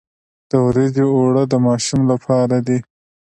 د وریجو اوړه د ماشوم لپاره دي.